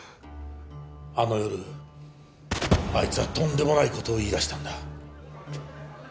あの夜あいつはとんでもないことを言いだしたんだ。